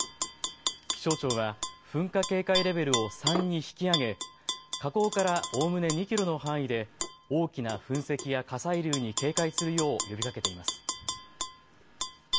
気象庁は噴火警戒レベルを３に引き上げ火口からおおむね２キロの範囲で大きな噴石や火砕流に警戒するよう呼びかけています。